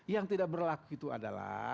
yang tidak berlaku itu adalah